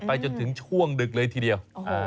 จนถึงช่วงดึกเลยทีเดียว